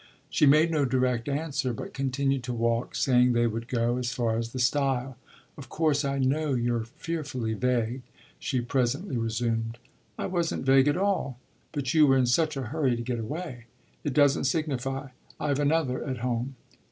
She made no direct answer, but continued to walk, saying they would go as far as the stile. "Of course I know you're fearfully vague," she presently resumed. "I wasn't vague at all. But you were in such a hurry to get away." "It doesn't signify. I've another at home."